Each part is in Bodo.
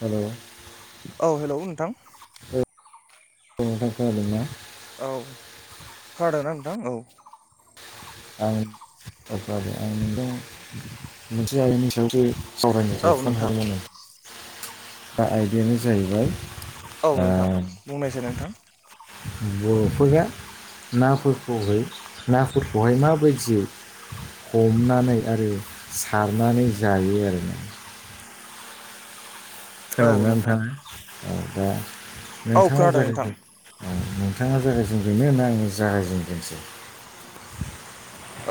हेलौ औ हेलौ नोंथां खोनादों ना औ खोनादों ना नोंथां औ आं आं [unintelligible] मोनसे आयदानि सायावबो सावरायनो औ थाखाय फन नोंथां हरोमोन दा आयदायानो जाहैबाय औ नोंथां ओ बुंनायसै नोंथां बर'फोरा नाफोरखौहाय नाफोरखौहाय माबायदि हमनानै आरो सारनानै जायो आरो ना औ खोनादों ना नोंथां नोंथाङा औ दा औ नोंथाङा खोनादों जागाय नोंथां औ बिथाङा जायगायजों बेनो होनना आंनि जागायजों दनोसै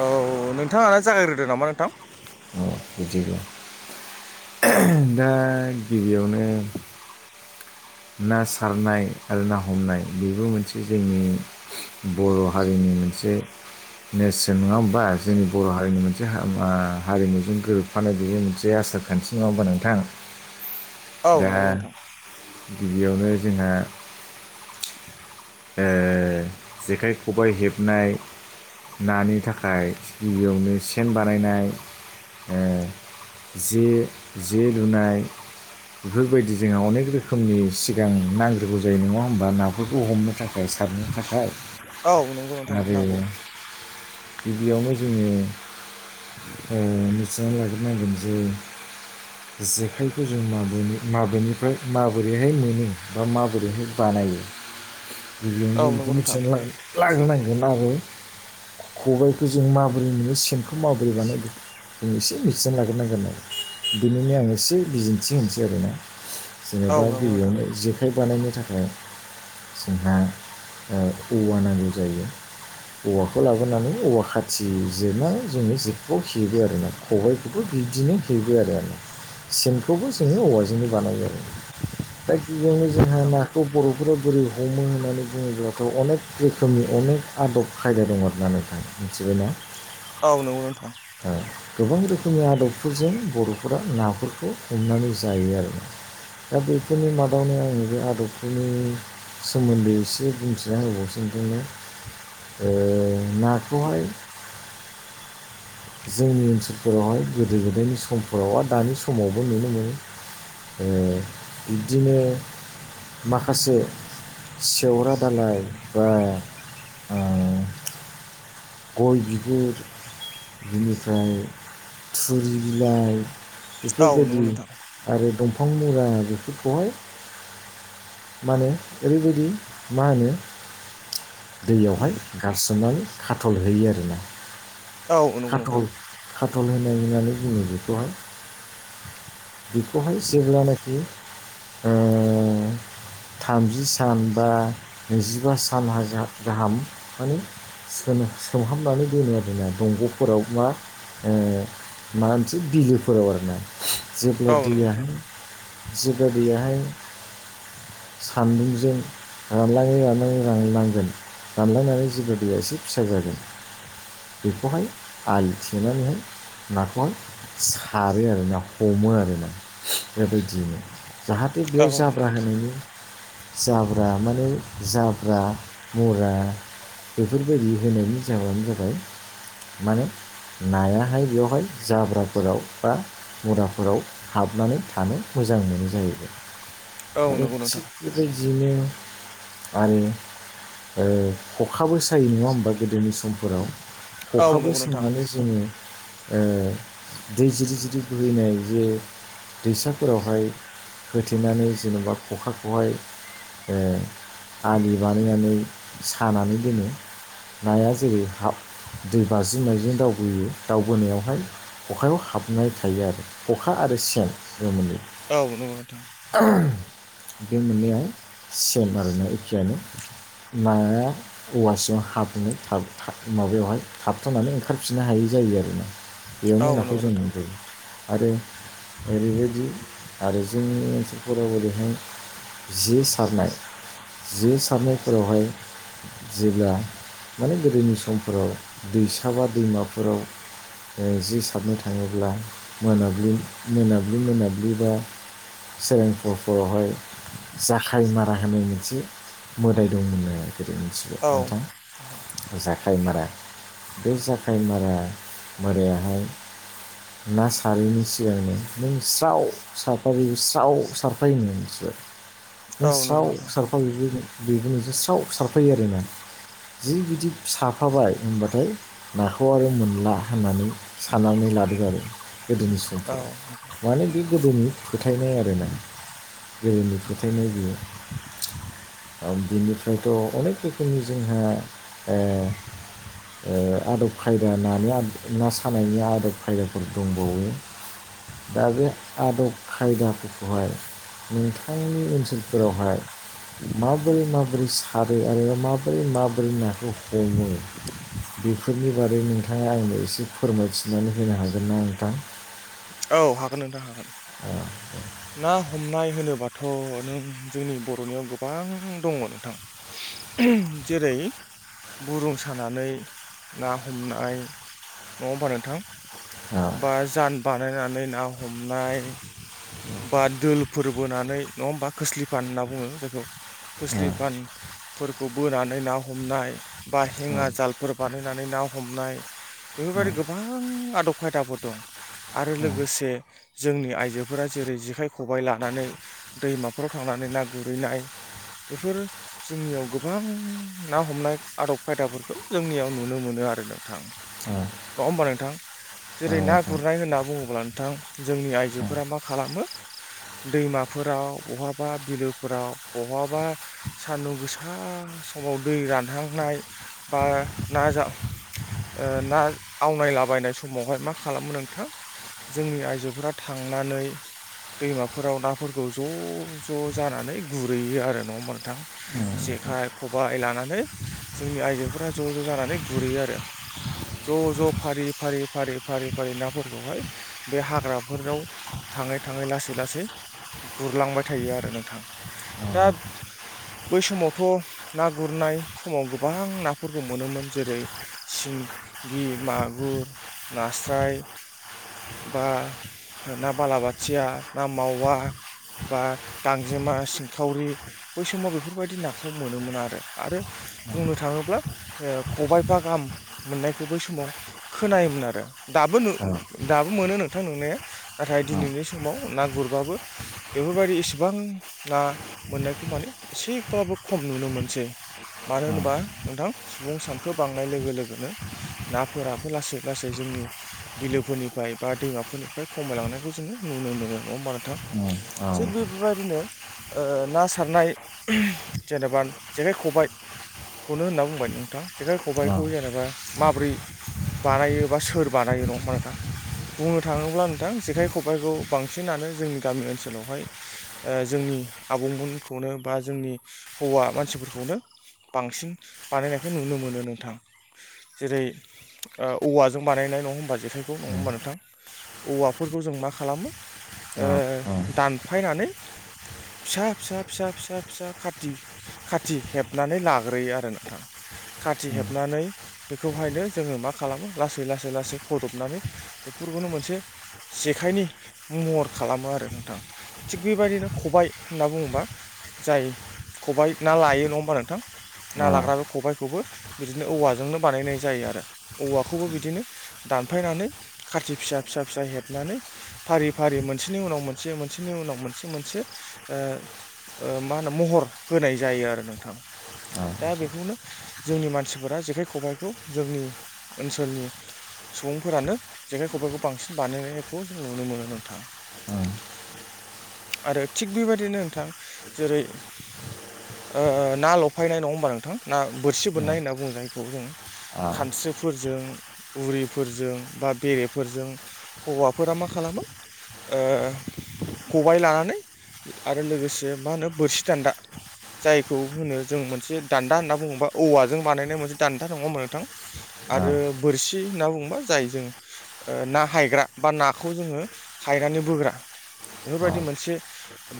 औ नोंथाङा ना जागायग्रोदो नामा नोंथां औ बुजिबाय दा गिबियावनो ना सारनाय आरो ना हमनाय बेबो मोनसे जोंनि बर' हारिनि मोनसे नेेरसोन नङा होमबा जोंनि बर' हारिनि मोनसे हारिमुजों गोरोबफानाय बेबो मोनसे आसार खान्थि मावबो नोंथां औ दा नंगौ नोंथां। गिबियावनो जोंहा जेखाइ खबाय हेबनाय नानि थाखाय गिबियावनो सेन बानायनाय जे जे लुनाय बेफोरबायदि जोंहा अनेक रोखोमनि सिगां नांग्रोगौ जायो नङा होमबा नाफोरखौ हमनो। थाखाय सारनो थाखाय औ नंगौ नोंथां नांगौ। आरो गिबियावनो जोङो मिथिनानै लाग्रोनांगोन जे जेखाइखौ जों माबेनिफ्राय माबोरैहाय मोनो बा माबोरैहाय बाना लायो। जों औ बेखौ नंगौ नोंथां मिथिनानै लाग्रोनांगोन। खबायखौ जों माबोरै मोनो सेनखौ माबोरै बानायो। जों एसे मिथिनानै लाग्रोनांगोन आरो बेनिनो आं एसे बिदिन्थि होनोसै आरोना। औ जेनेबा नंगौ नोंथां गिबियावनो जेखाइ बानायनो थाखाय जोंहा औवा नांगौ जायो। औवाखौ लाबोनानै औवा खाथिजिरनानै जोङो जेखौ हेबो आरो ना खबायखौबो बिदिनो हेबो आरो आरो सेनखौबो जोङो औवाजोंनो बानायो आरो। गिबियावनो जोंहा नोंथां नाखौ बर'फोरा बोरै हमो होननानै बुङोब्लाथ' अनेक रोखोमनि अनेक आदब खायदा दं आरोना नोंथां मिथिबायना औ नंगौ नोंथां। जोंनि आदबफोरजों बर'फोरा नाफोरखौ हमनानै जायो आरो ना। दा बेफोरनि मादावनो आङो बे आदबफोरनि सोमोनदै एसे बुंथिना होबावनोसै नोंथांनो नाखौहाय [inaudible] जोंनि ओनसोलफोरावहाय गोदो गोदायनि समफोराव आरो दानि समावबो नुनो मोनो। बिदिनो माखासे सेवरा दालाय बा आ गय बिगुर बिनिफ्राय थुरि बिलाइ औ नंगौ बेफोरबायदि नोंथां आरो दंफां मुरा बेफोरखौहाय माने ओरैबायदि मा होनो दैयावहाय गारसोमनानै खाथल होयो आरोना। औ नंगौ नोंथां। बटल होनाय होननानै बुङो बेखौहाय बेखौहाय जेब्लानाखि ओ थामजि सान बा नैजिबा सान गाहाम माने सोमहाबनानै दोनो आरोना दंग'फोराव मा माबा मोनसे बिलोफोराव आरोना जेब्ला औ नंगौ नोंथां दैयाहाय जेब्ला दैयाहाय सान्दुंजों रानलाङै रानलाङै रानलांगोन। रानलांनानै जेबो दैया एसे फिसा जागोन बेखौहाय आलि थेनानैहाय नाखौहाय सारो आरो ना हमो आरोना बेबायदियैनो जाहाथे बे औ जाब्रा नंगौ नोंथां होनायनि जाब्रा माने जाब्रा मुरा बेफोर बायदि होनायनि जाहोनानो जाबाय माने नायाहाय बेवहाय जाब्राफोराव बा मुराफोराव हाबनानै थानो मोनो। मोजां मोनो जाहैबाय औ आरो नंगौ नोंथां थिग बेबायदिनो बिदिनो आरो खखाबो सायो नङा होमबा गोदोनि समफोराव औ खखाबो नंगौ नोंथां सोंनानै जोङो दै जिरि जिरि बोहैनाय जे दैसाफोरावहाय होथेनानै जेनेबा खखाखौहाय आलि बानायनानै सानानै दोनो। नाया जेरै हाब दै बाज्रिनायजों दावबोयो दावबोनायावहाय अखायाव हाबनाय थायो आरो खखा आरो सेन जै औ नंगौ नोंथां बे मोननैया सेम आरोना एखेयानो नाया औवा स ज हाबुङै माबायावहाय थाबथ'नानै ओंखारफिननो हायै जायो आरो ना। बेयावनो औ नंगौ नाखौ जों नोंथां जायो। आरो ओरैबायदि आरो जोंनि ओनसोलफोराव ओरैहाय जे सारनाय जे सारनायफोरावहाय जेब्ला माने गोदोनि समफोराव दैसा बा दैमाफोराव जि सारनो थाङोब्ला मोनाब्लि मोनाब्लि मोनाब्लि बा सफोर रहाय जाखाय मारा होनाय मोनसे मोदाय दंमोन आरो गोदै मिथिबाय औ नोंथां। जाखाय मारा बे जाखाय मारा मोरायाहाय ना सारहैनि सिगांनो नों स्राव सारफ स्राव सारफायो बिसोरो औ नंगौ स्राव नोंथां सारफा बेबो नोंस स्राव सारफायो आरो ना। जि बिदि साफाबाय होनबाथाय नाखौ आरो मोनला होननानै साननानै लादों आरो गोदोनि औ समफोराव माने बे गोदोनि फोथायनाय आर ना गोदोनि फोथायनाय बियो बिनिफ्रायथ' अनेक रोखोमनि जोंहा आदब खायदा नानि ना सानायनि आदब खायदाफोर दंबावो। दा बे आदब खायदाखौहाय नोंथांनि ओनसोलफोरावहाय माबोरै माबोरै सारो आरो माबोरै मोरै माबोरै नाखौ हमो? बेफोरनि बारै नोंथाङा आंनो एसे फोरमायथिनानै होनो हागोन ना नोंथां। औ हागोन नोंथां हागोन। अ ना हमनाय होनोबाथ' नों जोंनि बर'नियाव गोबां दङ नोंथां। जेरै बुरुम सानानै ना हमनाय नङा होमबा नोंथां? औ बा जान बानायनानै ना हमनाय बा दोलफोर बोनानै नङा होमबा खोस्लिफान होनना बुङो जायखौ औ खोस्लिफानफोरखौ बोनानै ना हमनाय बा औ हेंङा जालफोर बानायनानै ना हमनाय औ बेफोरबायदि गोबां बब खायदाफोर दं आरो लोगोसे जोंनि आइजोफोरा जेरै ज जेखाइ खबाइ लानानै दैमाफोराव थांनानै ना गुरहैनाय, बेफोर जोंनियाव गोबां ना हमनाय आदब खायदाफोरखौ जोंनियाव नुनो मोनो। आरो नोंथां नङा होमबा नोंथां जेरै ना नोंथां गुरनाय होनना बुङोब्ला नोंथां जोंनि आइजोफोरा मा खालामो? [inaudible] दैमाफोराव बहाबा बिलोफोराव बहाबा सान्दुं गोसा सं फुाव दै रानहांनाय बा ना जा ना आवनायलाबायनाय समावहाय मा खालामो नोंथां जोंनि आइजोफोरा थांनानै दैमाफोराव नाफोरखौ ज' ज' जानानै गुरहैयो आरो न' मोनथां जेख खबबाय लानानै जोंनि आइजोफोरा ज' ज' जानानै गुरैयो आरो ज' ज' फारि फारि फारि फारि फारि नाफोरखौहाय बे हाग्राफोराव थ थाङै थाङै लासै लासै गुरलांबाय थायो आरो नोंथां दा बै समावथ' ना गुरनाय समाव गोबां नाफोरखौ मोनोमोन जेरै सिं गि मागुर नास्राय बा ना बालाबाथिया ना मावा बा गांजेमा सिंखावरि बै समाव बेफोरबायदि नाखौ मोनोमोन आरो आरो बुंनो थाङोब्ला खबाइफा गाहाम मोननायखौ बै समाव खोनायोमोन आरो दाबो औ दाबो मोनो नोंथां नोंनाया नाथाय औ दिनैनि समाव ना गुरबाबो बेफोरबायदि इसेबां ना मोननायखौ माने एसेब्लाबो खम नुनो मोनसै मानो होनोबा नोंथां सुबुं सानखो बांनाय लोगो लोगोनो नाफो राबो लासै लासै जोंनि बिलोफोरनिफ्राय बा दैमाफोरनिफ्राय खमायलांनायखौ जोङो नुनो मोनो। नङा होमबा नोंथां नोंथां औ थिग बेफोरबायदिनो ओ ना सारनाय जेनेबा जेखाइ खबाय खौनो होनना बुंबाय नोंथां जेखाइ औ औ खबाइखौ जेनेबा माब्रै बानायो बा सोर बानायो नङा होमबा नोंथां बुंनो थाङोब्ला नोंथां जेखाय खबाइखौ बां सिनानो जोंनि गामि ओनसोलावहाय जोंनि आबौमोनखौनो बा जोंनि हौवा मानसिफोरखौनो बांसिन बानायनायखौ नुनो मोनो नोंथां जेरै औवाजों बानायनाय नङा होमबा जेखाइखौ नङा होमबा नोंथां औवाफोरखौ जों मा खालामो ओ औ औ दानफायनानै फिसा फिसा फिसा फिसा फिसा खाथि हेबनानै लाग्रोयो आरो नोंथां खाथि हेबनानै बेखौहायनो जोङो मा खालामो लासै लासै लासै फदबनानै बेफोरखौनो मोनसे जेखाइनि महर खालामो आरो नोंथां थिग बेबायदिनो खबाइ होनना बुङोबा जाय खबाय ना लायो नङा होमबा नोंथां ना लाग्रााबो खबायखौबो बिदिनो औवाजोंनो बानायनाय जायो आरो औवाखौबो बिदिनो दानफायनानै खाथि फि सा फिसा फिसा हेबनानै फारि फारि मोनसेनि उनाव मोनसे मोनसेनि उनाव मोनसे मोनसे आ मा होनो महर होनाय जायो आरो नोंथां दा बेखौनो जोंनि मानसिफोरा जेखाइ खबाइखौ जोंनि ओनसोलनि सुबुंफोरानो जेखाय खबाइखौ बांसिन बानायनायखौ जों नुनो मोनो नोंथाङा आरो थिग बेबायदिनो नोंथां जेरै ओ ना लफायनाय नङा होमबा नोंथां ना बोरसि बोननाय होनना बुङो जायखौ जों खानस्रिफोरजों उरिफोरजों बा बेरेफोरजों हौवाफोरा मा खालामो ओ खबाय लानानै आरो लोगोसे मा होनो बोरसि दान्दा जायखौ होनो जों मोनसे दान्दा होनना बुङोबा औवाजों बानायनाय मोनसे दान्दा नङा होमबा नोंथां आरो बोरसि होनना बुंङोबा जाय जों ना हायग्रा बा नाखौ जोङो हायनानै बोग्रा औ बेफोरबायदि मोनसे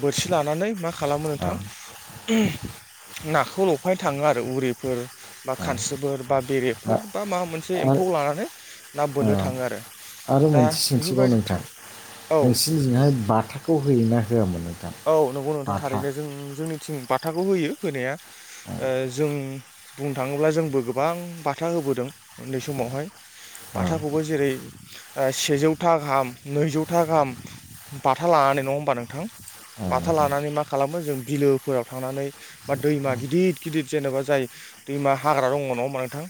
बोरसि लानानै मा खालामो नोंथां नाखौ लफायनो थाङो आरो उरिफोर बा खानस्रिफोर बा बेरेफोर बा माबा मोनसे आरो एम्फौ लानानै ना औ बोननो थाङो आरो आरो दा मोनसे सोंथिबाव बेफोरबायदि नोंथां औ नोंसिनिजोंहाय बाथाखौ होयोना होयामोन औ नंगौ नोंथां थारैनो जों जोंनि थिं बाथाखौ होयो होनाया औ जों बुंनो थाङोब्ला जोंबो गोबां बाथा हो बोदों उन्दै समावहाय औ बाथाखौबो जेरै सेजौथा गाहाम नैजौथा गाहाम बाथा लाना नै नङा होमबा नोंथां औ बाथा नोंथां लानानै मा खालामो जों बिलोफोराव थांनानै बा दैमा गिदिर गिदिर जेनेबा जाय दैमा हाग्रा दङ नङा होमबा नोंथां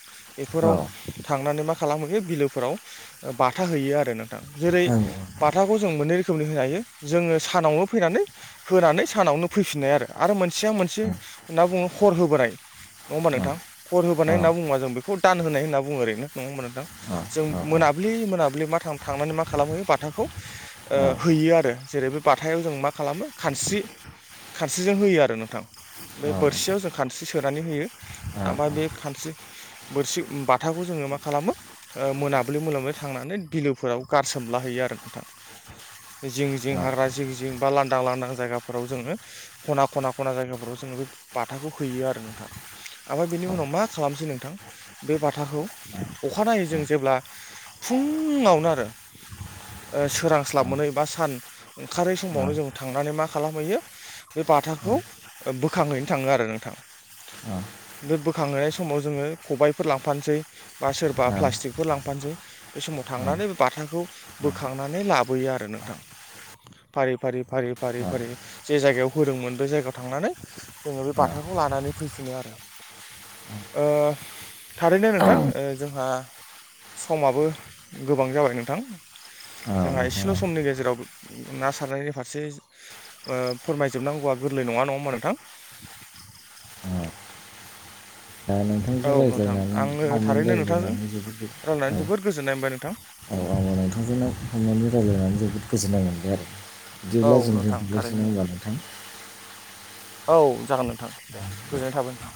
औ बेफोराव ओं थांनानै मा खालामहैयो बिलोफोराव बाथा होयो आरो नोंथां जेरै औ बाथाखौ जों मोननै रोखोमनि होनो हायो जोङो सानावनो फैनानै होनानै सानावनो फैफिननाय आरो मोनसेया मोनसे होनना बुङो हर होबोनाय नङा होमबा नोंथां खर औ होबोनाय होनना बुङोबा जों बेखौ दान होनाय होनना बुङो ओरैनो नङा होमबा नोंथां औ औ जों मोना मोनाब्लि मोनाब्लि मा थांनानै मा खालामहयो बाथाखौ ओ हैयो आरो जेरै बे बाथायाव जों मा खालामो खानस्रि खानस्रिजों होयो आरो नोंथां बे बोरसियाव जों खानस्रि सोनानै होयो ओमफ्राय बे खानस्रि बोरसि बाथाखौ जों आोङो मा खालामो मोनाब्लि मोनाब्लि थांनानै बिलोफोराव गारसोमलाहैयो आरो नोंथां जिं जिं हाग्रा जिं जिं बा लांदां लांदां जायगाफोराव जोङो ख'ना ख'ना ख'ना जायगाफोराव जोङो बे बाथाखौ हैयो आरो नोंथां ओमफ्राय बिनि उनाव मा खालामसै नोंथां बे बाथाखौ अखानायै जों जेब्ला फुङावनो आरो सोरांस्लाब मोनै बा सान ओंखारै औ समावनो जों थांनानै मा खालामहैयो बे बाथाखौ बोखांहैनो थाङो आरो नोंथां औ बे बोखांहाय समाव जोङो खबायफोर लांफानोसै बा सोरबा औ औ प्लास्टिकफोर लांफानोसै बे समाव माव थांनानै बे बाथाखौ बोखांनानै लाबोयो आरो नोंथां [inaudible] फारि फारि फारि फारि औ फारि जे जायगायाव होदोंमोन बे जायगायाव थांनानै जोङो बे बाथाखौ लानानै फैफिनो आरो औ [inaudible] ओ थारैनो नोंथां जोंहा समाबो गोबां जाबाय नोंथां जोंहा नोंथां एसेल' औ समनि गेजेराव ना सारनायनि फारसे ओ फोरमायजोबनांगौया गोरलै नङा नङा होनबा नोंथां औ [unintelligible] औ नोंथांजों नोंथां रायलायनानै आंनो थारैनो गमजों [unintelligible] नोंथांजों रायलायनानै जोबोद रायलायनानै औ जोबोद गोजोननाय मोनबाय नोंथां आ नोंथांजों थांनानै रायलायनानै जोबोद गोजोननाय मोनबाय आरो औ बिदिब्ला जों नोंथां दोनथ'नोनोसै नङा थारैनो होनब्ला नोंथां औ जागोन नोंथां दे गोजोननाय थाबाय नोंथां